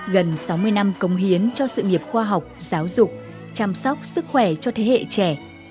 gần sáu mươi năm công hiến cho sự nghiệp khoa học giáo dục chăm sóc sức khỏe cho thế hệ trẻ